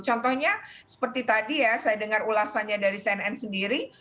contohnya seperti tadi ya saya dengar ulasannya dari cnn sendiri